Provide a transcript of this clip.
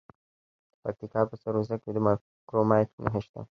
د پکتیکا په سروضه کې د کرومایټ نښې شته.